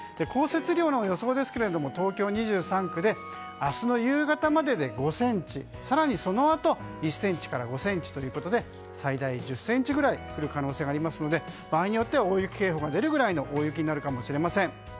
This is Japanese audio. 降雪量の予想ですが東京２３区で明日の夕方までで５ｃｍ更にそのあと１ｃｍから５ｃｍということで最大１０ｃｍ位降る可能性がありますので場合によっては大雪警報が出るぐらいの大雪になるかもしれません。